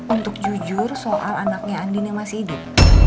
untuk jujur soal anaknya andi yang masih hidup